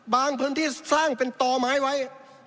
พื้นที่สร้างเป็นต่อไม้ไว้